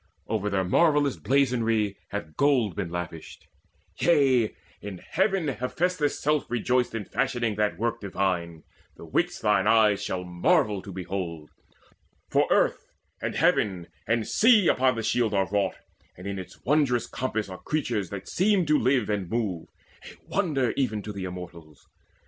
Over their marvellous blazonry hath gold Been lavished; yea, in heaven Hephaestus' self Rejoiced in fashioning that work divine, The which thine eyes shall marvel to behold; For earth and heaven and sea upon the shield Are wrought, and in its wondrous compass are Creatures that seem to live and move a wonder Even to the Immortals.